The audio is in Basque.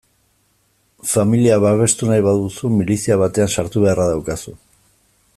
Familia babestu nahi baduzu, milizia batean sartu beharra daukazu.